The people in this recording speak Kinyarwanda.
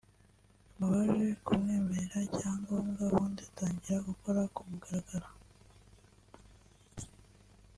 nyuma baje kumwemerera icyangombwa ubundi atangira gukora ku mugaragaro